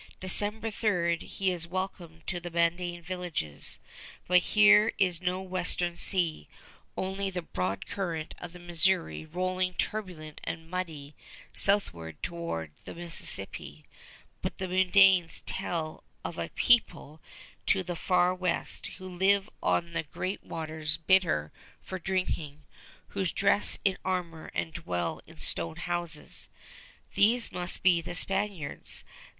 December 3 he is welcomed to the Mandane villages; but here is no Western Sea, only the broad current of the Missouri rolling turbulent and muddy southward towards the Mississippi; but the Mandanes tell of a people to the far west, "who live on the great waters bitter for drinking, who dress in armor and dwell in stone houses." These must be the Spaniards.